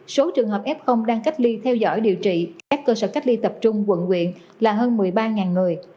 số trường hợp f đang cách ly theo dõi điều trị f cơ sở cách ly tập trung quận quyện là hơn một mươi ba người